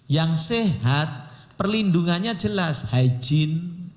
yang sehat perlindungannya jelas hygiene